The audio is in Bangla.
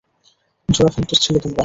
জোড়া ফেলটুস ছিলে তোমরা!